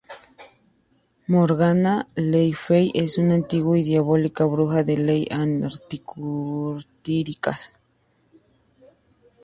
Morgana le Fey es una antigua y diabólica bruja de las leyendas artúricas.